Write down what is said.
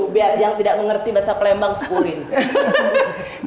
biar yang tidak mengerti bahasa palembang sekulin